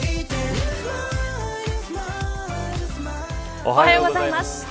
おはようございます。